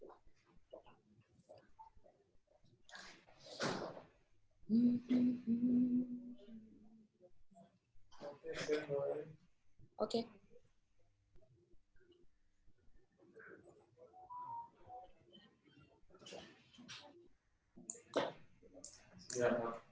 apa yang selanjutnya